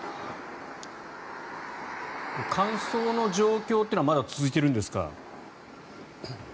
乾燥の状況というのはまだ続いているんでしょうか？